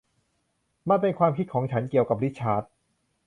มันเป็นความคิดของฉันเกี่ยวกับริชาร์ด